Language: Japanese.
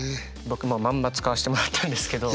僕もうまんま使わせてもらったんですけど。